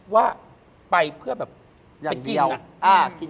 ว่าไปเพื่อแบบไปกินอะ